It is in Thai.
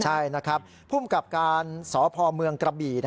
ใช่นะครับภูมิกับการสพเมืองกระบี่